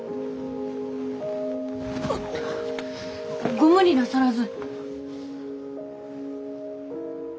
ご無理なさらず。